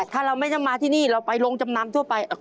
ถ้าเราไม่ต้องมาที่นี่เราไปโรงจำนำทั่วไป